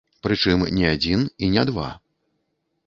Прычым не адзін і не два.